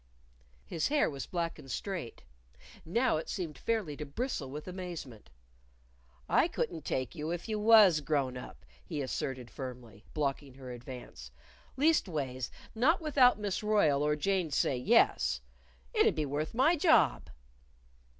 His hair was black and straight. Now it seemed fairly to bristle with amazement. "I couldn't take you if you was grown up," he asserted firmly, blocking her advance; " leastways not without Miss Royle or Jane'd say Yes. It'd be worth my job."